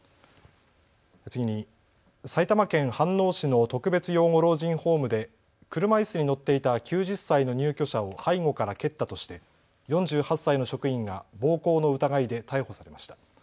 次に、埼玉県飯能市の特別養護老人ホームで車いすに乗っていた９０歳の入居者を背後から蹴ったとして４８歳の職員が暴行の疑いで逮捕されました。